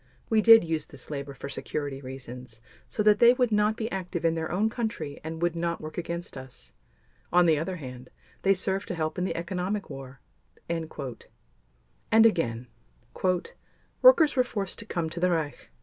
"We did use this labor for security reasons so that they would not be active in their own country and would not work against us. On the other hand, they served to help in the economic war." And again: "Workers were forced to come to the Reich.